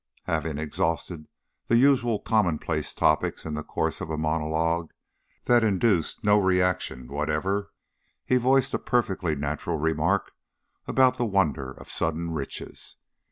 Having exhausted the usual commonplace topics in the course of a monologue that induced no reaction whatever, he voiced a perfectly natural remark about the wonder of sudden riches.